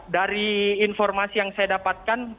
dari informasi yang saya dapatkan